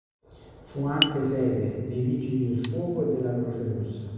Fu anche sede dei vigili del fuoco e della Croce Rossa.